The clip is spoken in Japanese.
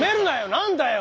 何だよ！